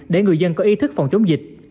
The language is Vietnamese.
để người dân có ý thức phòng chống dịch